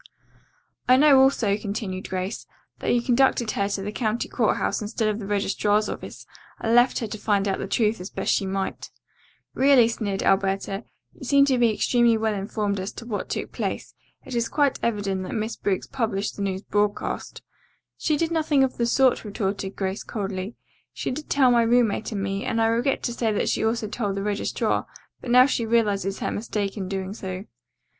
"I know also," continued Grace, "that you conducted her to the county court house instead of the registrar's office and left her to find out the truth as best she might." "Really," sneered Alberta, "you seem to be extremely well informed as to what took place. It is quite evident that Miss Briggs published the news broadcast." "She did nothing of the sort," retorted Grace coldly. "She did tell my roommate and me, and I regret to say that she also told the registrar, but she now realizes her mistake in doing so."